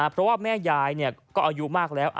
พ่อแม่ยายเนี่ยก็ประมาณอายุมากแล้ว